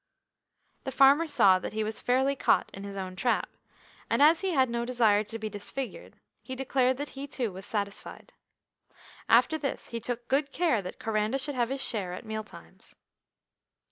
The farmer saw that he was fairly caught in his own trap, and as he had no desire to be disfigured, he declared that he too was satisfied. After this he took good care that Coranda should have his share at meal times.